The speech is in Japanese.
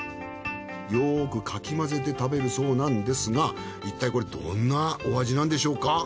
よくかき混ぜて食べるそうなんですがいったいこれどんなお味なんでしょうか？